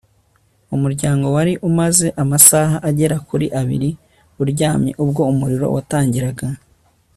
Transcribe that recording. umuryango wari umaze amasaha agera kuri abiri uryamye ubwo umuriro watangiraga